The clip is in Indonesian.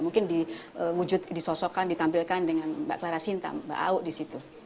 mungkin diwujud disosokkan ditampilkan dengan mbak clara sinta mbak au disitu